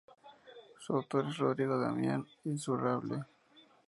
Su autor es Rodrigo Damián Insaurralde.